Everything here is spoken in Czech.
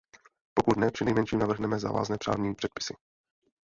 Pokud ne, přinejmenším navrhneme závazné právní předpisy.